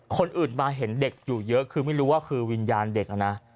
คนอื่นมาเห็นเด็กอยู่เยอะคือไม่รู้ว่าคือวิญญาณเด็กนะ